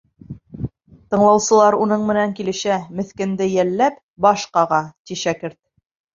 Тыңлаусылар уның менән килешә, меҫкенде йәлләп, баш ҡаға. — ти шәкерт.